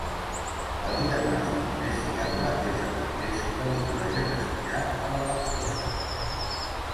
El diagnòstic més fiable és amb el test de l'hidrogen espirat a la lactosa.